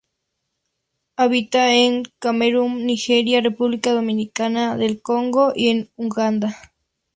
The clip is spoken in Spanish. Habita en Camerún, Nigeria, República Democrática del Congo y en Uganda.